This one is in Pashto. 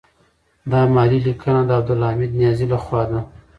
دا مالي لیکنه د عبدالحمید نیازی لخوا ده.